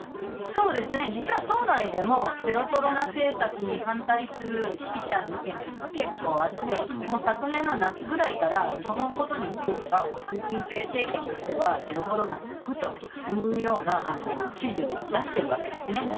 実は党内でもゼロコロナ政策に反対する指揮者の意見というのは結構あって、もう昨年の夏ぐらいから、このことについてはもう習近平政権としては、ゼロコロナでいくというような指示を出してるわけですね。